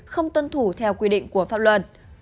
không tuân thủ theo quy định của pháp luật